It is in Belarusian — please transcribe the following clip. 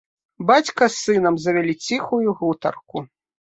Бацька з сынам завялі ціхую гутарку.